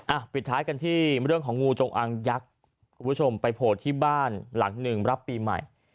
ปิดท้ายกันที่เรื่องของงูจงอางยักษ์คุณผู้ชมไปโผล่ที่บ้านหลังหนึ่งรับปีใหม่